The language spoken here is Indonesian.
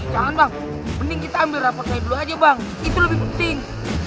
jangan bang mending kita ambil rapat saya dulu aja bang itu lebih penting